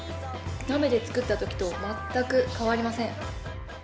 鍋で作ったときと全く変わりません。